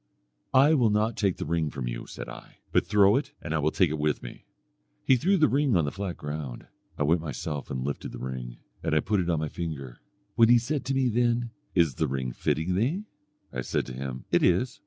"'I will not take the ring from you,' said I, 'but throw it and I will take it with me.' He threw the ring on the flat ground; I went myself and lifted the ring, and I put it on my finger. When he said to me then, 'Is the ring fitting thee?' I said to him, 'It is.'